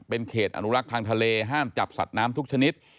เป็นเขตอนุรักษ์ทางทะเลห้ามจับสัตว์น้ำทุกชนิด